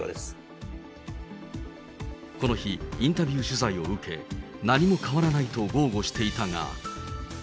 この日、インタビュー取材を受け、何も変わらないと豪語していたが。